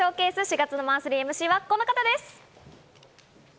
４月のマンスリーＭＣはこの方です。